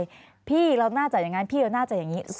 ขนาดนี้เพราะอะไรพี่เราน่าจะอย่างงั้นพี่เราน่าจะอย่างงี้